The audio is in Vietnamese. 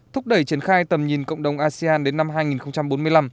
thúc đẩy triển khai tầm nhìn cộng đồng asean đến năm hai nghìn bốn mươi năm